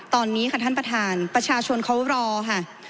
ตอนนี้ค่ะท่านประธานประชาชนเขารอค่ะ